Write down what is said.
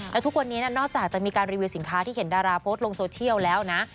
แล้วทุกวันนี้นอกจากจะมีการรีวิวสินค้าที่เห็นดาราโพสต์ลงโซเชียลแล้วนะ